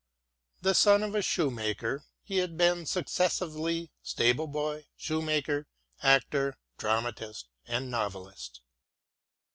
The son of a shoe maker, he had been successively stable boy, shoe maker, actor, dramatist, and novelist.